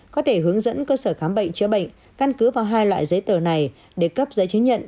có thể hướng dẫn cơ sở khám bệnh chữa bệnh căn cứ vào hai loại giấy tờ này để cấp giấy chứng nhận